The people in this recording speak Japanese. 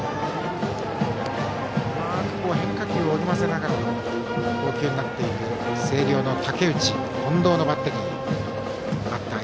変化球を織り交ぜながらの投球になっている星稜の武内、近藤のバッテリー。